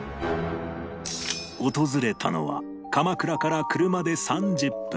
訪れたのは鎌倉から車で３０分